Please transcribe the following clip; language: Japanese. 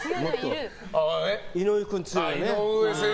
井上君、強いよね。